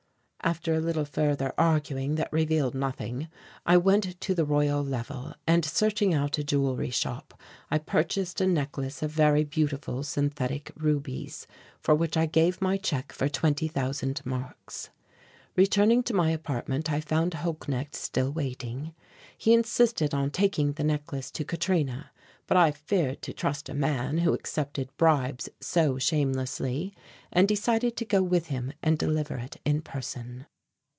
After a little further arguing that revealed nothing, I went to the Royal Level, and searching out a jewelry shop, I purchased a necklace of very beautiful synthetic rubies, for which I gave my check for twenty thousand marks. Returning to my apartment, I found Holknecht still waiting. He insisted on taking the necklace to Katrina, but I feared to trust a man who accepted bribes so shamelessly, and decided to go with him and deliver it in person.